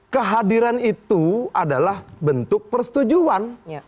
kehadiran itu adalah bentuk persetujuan